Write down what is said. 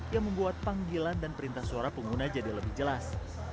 yang membuat panggilan dan perintah suara pengguna jadi lebih jelas